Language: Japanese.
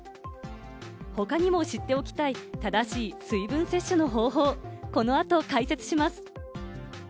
他にも知っておきたい正しい水分摂取の方法、この後解説します。